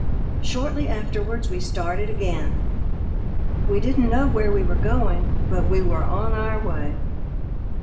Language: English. Shortly afterwards we started again. We didn't know where we were going, but we were on our way.